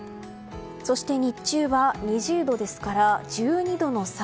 そして、日中は２０度ですから１２度の差。